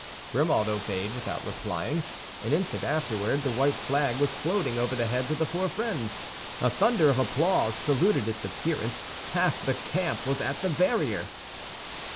Grimaud obeyed without replying. An instant afterward, the white flag was floating over the heads of the four friends. A thunder of applause saluted its appearance; half the camp was at the barrier.